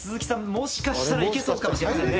もしかしたら行けそうかもしれませんね。